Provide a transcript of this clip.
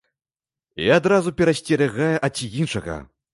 І адразу перасцерагае ад іншага.